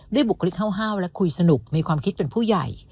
บุคลิกห้าวและคุยสนุกมีความคิดเป็นผู้ใหญ่